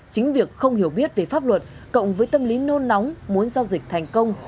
chính việc không hiểu biết về pháp luật cộng với tâm lý nôn nóng muốn giao dịch thành công